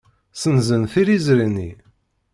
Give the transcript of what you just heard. Ssenzen tiliẓri-nni.